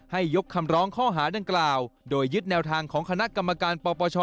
ยกคำร้องข้อหาดังกล่าวโดยยึดแนวทางของคณะกรรมการปปช